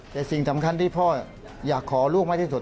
แต่สิ่งสำคัญที่พ่ออยากขอลูกมากที่สุด